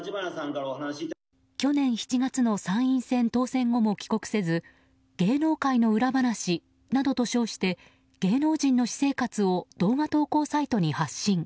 去年７月の参院選当選後も帰国せず芸能界の裏話などと称して芸能人の私生活を動画投稿サイトに発信。